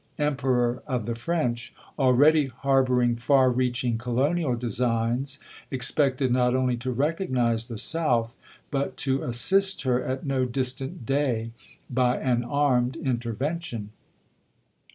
Emperor of the French, al ready harboring far reaching colonial designs, ex pected not only to recognize the South, but to assist her at no distant day by an armed interven tion.